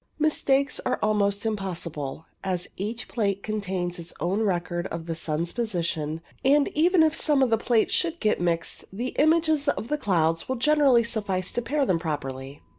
Mistakes are almost impossible, as each plate contains its own record of the sun's position, and even if some of the plates should get mixed the images of the clouds will generally suffice to pair them properly.